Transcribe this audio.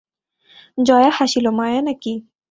জয়া হাসিল, মায়া নাকি?